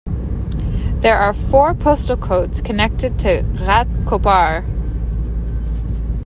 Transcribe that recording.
There are four postal codes connected to Ghatkopar.